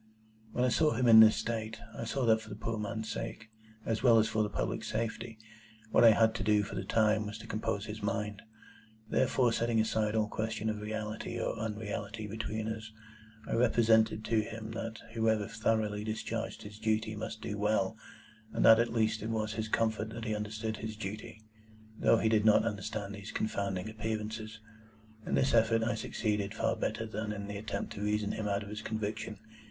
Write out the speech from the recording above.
When I saw him in this state, I saw that for the poor man's sake, as well as for the public safety, what I had to do for the time was to compose his mind. Therefore, setting aside all question of reality or unreality between us, I represented to him that whoever thoroughly discharged his duty must do well, and that at least it was his comfort that he understood his duty, though he did not understand these confounding Appearances. In this effort I succeeded far better than in the attempt to reason him out of his conviction.